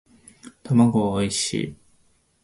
卵はおいしい